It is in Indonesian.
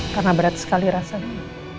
karena berat sekali rasanya